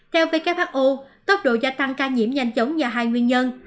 theo who tốc độ gia tăng ca nhiễm nhanh chóng là hai nguyên nhân